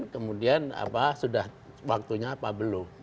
kemudian sudah waktunya apa belum